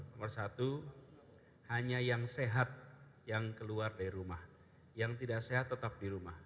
nomor satu hanya yang sehat yang keluar dari rumah yang tidak sehat tetap di rumah